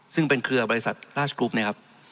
ซึ่งเป็นเครือบริษัทราชกรุ๊ปนะครับ